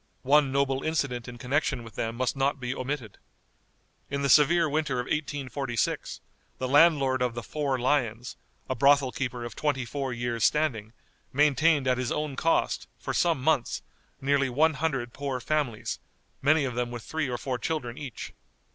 One noble incident in connection with them must not be omitted. In the severe winter of 1846, the landlord of the "Four Lions," a brothel keeper of twenty four years' standing, maintained at his own cost, for some months, nearly one hundred poor families, many of them with three or four children each.